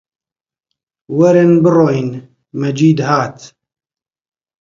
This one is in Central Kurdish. وەرن بڕۆین! مەجید هات